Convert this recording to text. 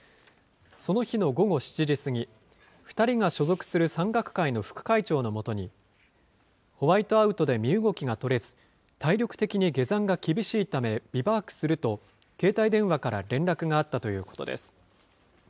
その日の午後７時過ぎ、２人が所属する山岳会の副会長のもとに、ホワイトアウトで身動きが取れず、体力的に下山が厳しいため、ビバークすると、携帯電話から連絡があったということです。